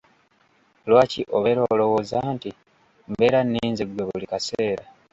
Lwaki obeera olwowooza nti mbeera nninze gwe buli kaseera?